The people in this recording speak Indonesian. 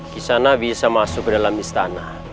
kisah nabi bisa masuk ke dalam istana